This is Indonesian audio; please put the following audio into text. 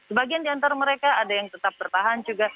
sebagian di antara mereka ada yang tetap bertahan juga